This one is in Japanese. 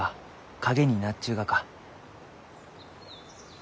陰になっちゅうがか。